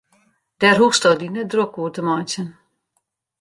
Dêr hoechsto dy net drok oer te meitsjen.